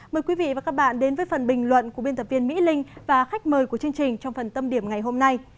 mời quý vị và các bạn đến với phần bình luận của biên tập viên mỹ linh và khách mời của chương trình trong phần tâm điểm ngày hôm nay